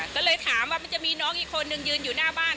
ก็เลยถามว่ามันจะมีน้องอีกคนนึงยืนอยู่หน้าบ้าน